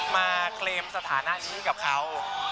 เคลมสถานะนี้กับเขา